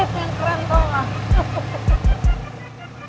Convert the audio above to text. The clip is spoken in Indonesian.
itu yang keren toh lah